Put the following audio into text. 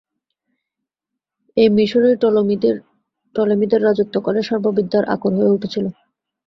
এই মিসরই টলেমীদের রাজত্বকালে সর্ববিদ্যার আকর হয়ে উঠেছিল।